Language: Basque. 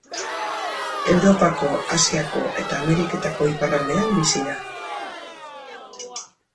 Europako, Asiako eta Ameriketako iparraldean bizi da.